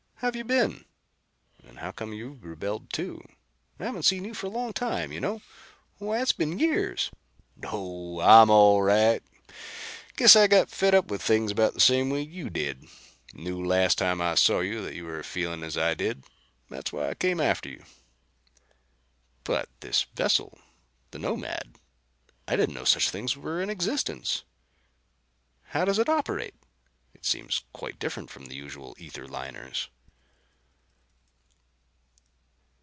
How you've been and how come you've rebelled, too? I haven't seen you for a long time, you know. Why, it's been years!" "Oh, I'm all right. Guess I got fed up with things about the same way you did. Knew last time I saw you that you were feeling as I did. That's why I came after you." "But this vessel, the Nomad. I didn't know such a thing was in existence. How does it operate? It seems quite different from the usual ether liners."